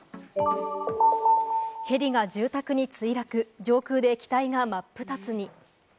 ヘリが住宅に墜落、上空で機体が真っ二つに。